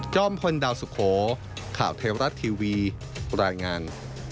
อมพลดาวสุโขข่าวเทวรัฐทีวีรายงาน